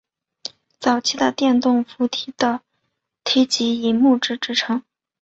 早期的电动扶梯的梯级以木制成。